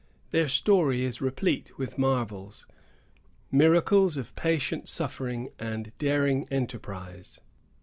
Their story is replete with marvels——miracles of patient suffering and daring enterprise.